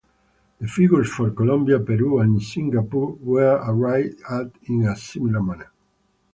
The figures for Colombia, Peru, and Singapore were arrived at in a similar manner.